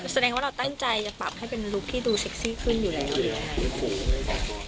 แสดงว่าเราตั้งใจจะปรับให้เป็นลุคที่ดูเซ็กซี่ขึ้นอยู่แล้วหรือยังไง